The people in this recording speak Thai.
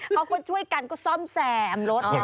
เพราะคนช่วยกันก็ซ่อมแส่มรถอีกแปลง